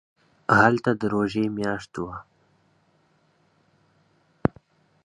هلته د روژې میاشت وه.